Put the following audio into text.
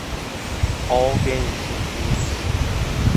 All games in Tunis.